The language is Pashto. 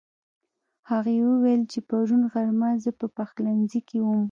هغې وويل چې پرون غرمه زه په پخلنځي کې وم